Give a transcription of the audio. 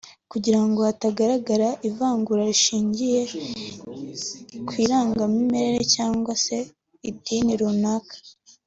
kugira ngo hatagaragaramo ivangura rishingiye ku irangamimerere cyangwa se idini runaka